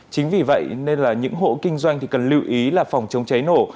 chính vì vậy nên là những hộ kinh doanh thì cần lưu ý là phòng chống cháy nổ